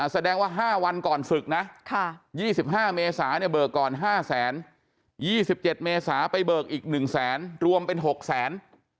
แสดงว่า๕วันก่อนฝึกนะ๒๕เมษาเนี่ยเบิกก่อน๕๒๗เมษาไปเบิกอีก๑แสนรวมเป็น๖แสน